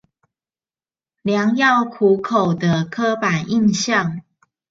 良藥苦口的刻板印象